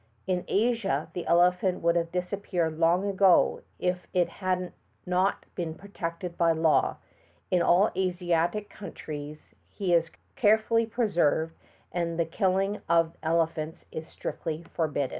In Asia the elephant would have disappeared long ago if he had not been protected by law; in all Asiatic countries he is carefully preserved and the killing of ele phants is strictly forbidden.